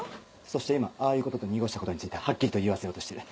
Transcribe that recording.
そして今「ああいうこと」と濁したことについてはっきりと言わせようとしている。